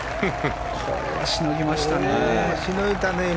これはしのぎましたね。